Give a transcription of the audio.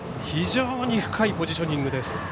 非常に深いポジショニングです。